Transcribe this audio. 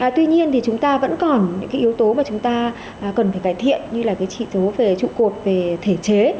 tuy nhiên thì chúng ta vẫn còn những cái yếu tố mà chúng ta cần phải cải thiện như là cái chỉ số về trụ cột về thể chế